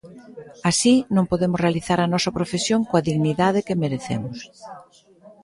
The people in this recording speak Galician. Así, non podemos realizar a nosa profesión coa dignidade que merecemos.